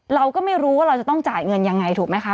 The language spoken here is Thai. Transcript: เราก็ไม่รู้ว่าเราจะต้องจ่ายเงินยังไงถูกไหมคะ